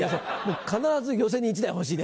必ず寄席に１台欲しいね。